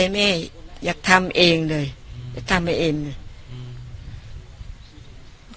ใจแม่อยากทำเองเลยทำไปเองเลย